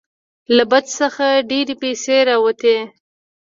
له بت څخه ډیرې پیسې راوتې.